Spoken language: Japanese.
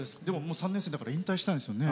３年生引退したんですよね。